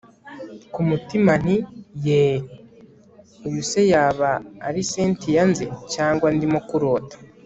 kumutima nti yeeeh! uyu se yaba ari cyntia nzi, cyangwa ndimo kurota